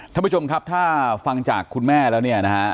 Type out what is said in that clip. ท่านผู้ชมครับถ้าฟังจากคุณแม่แล้วเนี่ยนะฮะ